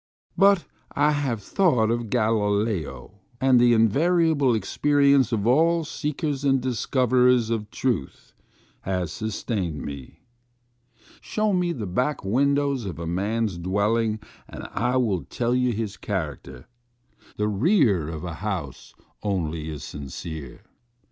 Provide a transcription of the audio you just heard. But I have thought of Galileo, and the invariable experience of all seekers and discoverers of truth has sustained me. Show me the back windows of a man's dwelling, and I will tell you his character. The = rear of a house only is sincere.